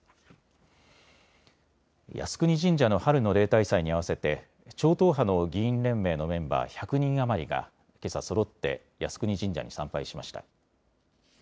靖国神社の春の例大祭に合わせて超党派の議員連盟のメンバー１００人余りがけさ、そろって靖国神社に参拝しました。